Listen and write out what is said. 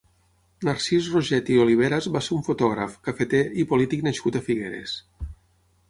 Narcís Roget i Oliveras va ser un fotògraf, cafeter i polític nascut a Figueres.